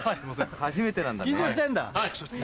初めてなんだね。